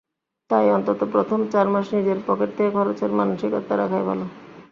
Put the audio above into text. তাই অন্তত প্রথম চার মাস নিজের পকেট থেকে খরচের মানসিকতা রাখাই ভালো।